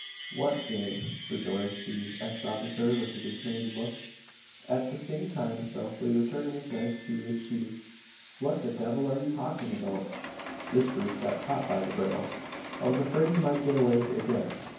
"What game?" rejoins the ex officer with a dismayed look, at the same time stealthily returning his knife to its sheath. "What the devil are you talking about? This brute's got caught by the bridle. I was afraid he might get away again.